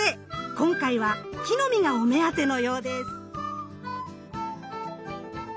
今回は木の実がお目当てのようです。